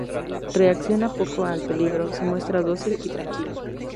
Reacciona poco al peligro, se muestra dócil y tranquilo.